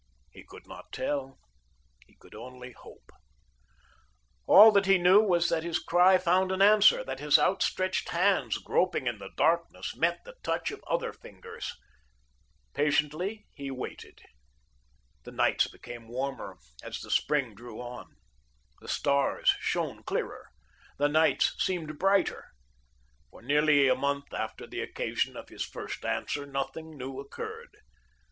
He could not tell; he could only hope. All that he knew was that his cry found an answer, that his outstretched hands, groping in the darkness, met the touch of other fingers. Patiently he waited. The nights became warmer as the spring drew on. The stars shone clearer. The nights seemed brighter. For nearly a month after the occasion of his first answer nothing new occurred.